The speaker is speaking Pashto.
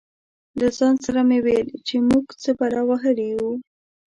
له ځان سره مې ویل چې موږ څه بلا وهلي یو.